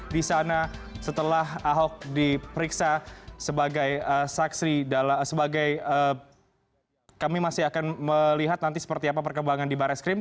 di sana setelah ahok diperiksa sebagai saksi kami masih akan melihat nanti seperti apa perkembangan di barreskrim